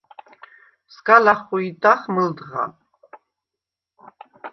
სგა ლახხვი̄დდახ მჷლდღა.